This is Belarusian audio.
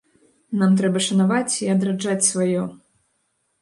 Нам трэба шанаваць і адраджаць сваё.